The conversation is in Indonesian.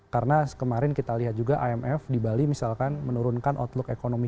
karena kemarin kita lihat juga imf di bali misalkan menurunkan outlook ekonomi